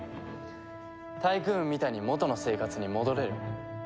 タイクーンみたいに元の生活に戻れる。